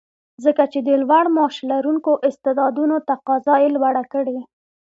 ځکه چې د لوړ معاش لرونکو استعدادونو تقاضا یې لوړه کړې